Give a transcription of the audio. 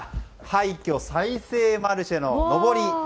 廃墟再生マルシェの上り。